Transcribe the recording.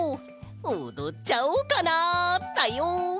おどっちゃおうかなだよ！